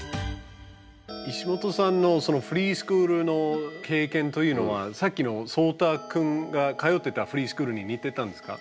石本さんのそのフリースクールの経験というのはさっきのそうたくんが通ってたフリースクールに似てたんですか？